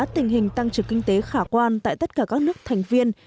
tình hình tăng trưởng kinh tế khả quan tại tất cả các nước thành viên